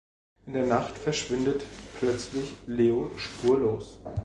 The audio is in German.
In der Nacht verschwindet plötzlich Leo spurlos.